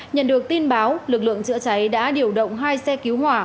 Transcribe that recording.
nhận được tin báo lực lượng chữa cháy đã điều động hai xe cứu hỏa